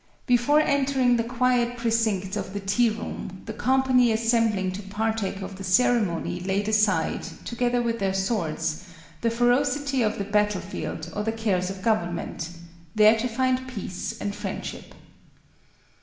Before entering the quiet precincts of the tea room, the company assembling to partake of the ceremony laid aside, together with their swords, the ferocity of the battle field or the cares of government, there to find peace and friendship.